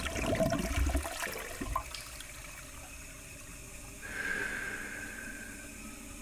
It is one of Prince's earliest efforts to blend political statements into his art.